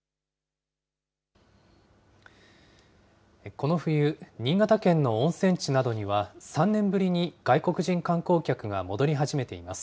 この冬、新潟県の温泉地などには、３年ぶりに外国人観光客が戻り始めています。